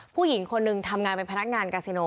ผู้หญิงคนหนึ่งทำงานเป็นพนักงานกาซิโน